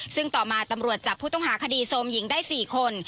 ซึ่งต่อมาตำรวจจับผู้ต้องหาคดีโทรมหญิงได้๔คน